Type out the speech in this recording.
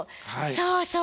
そうそう。